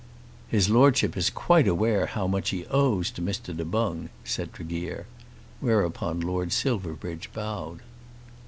"His Lordship is quite aware how much he owes to Mr. Du Boung," said Tregear. Whereupon Lord Silverbridge bowed.